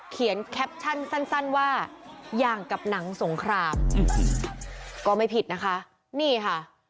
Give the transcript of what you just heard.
เขียนแคปชั่นสั้นว่าอย่างกับหนังสงครามก็ไม่ผิดนะคะนี่ค่ะ